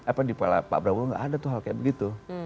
apa di pala pak prabowo gak ada tuh hal kayak begitu